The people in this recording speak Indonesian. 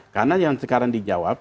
karena yang sekarang dijawab